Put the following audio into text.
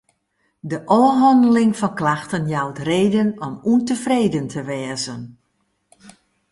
De ôfhanneling fan klachten jout reden om ûntefreden te wêzen.